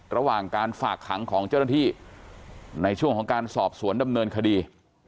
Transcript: ระหว่างการฝากขังของเจ้าหน้าที่ในช่วงของการสอบสวนดำเนินคดี